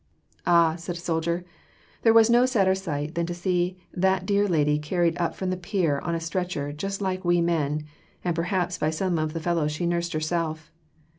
"Ah," said a soldier, "there was no sadder sight than to see that dear lady carried up from the pier on a stretcher just like we men, and perhaps by some of the fellows she nursed herself."